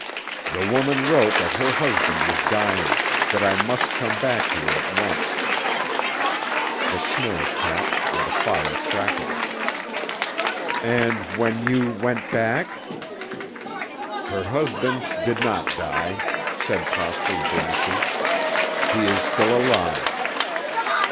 "The woman wrote that her husband was dying, that I must come back to her at once." The snow tapped and the fire crackled. "And when you went back?" "Her husband did not die," said Prosper blankly; "he is still alive."